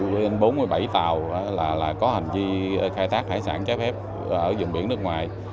bốn mươi bảy vụ bốn mươi bảy tàu là có hành vi khai tác hải sản trái phép ở vùng biển nước ngoài